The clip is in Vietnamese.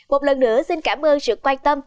một lần nữa xin cảm ơn sự quan tâm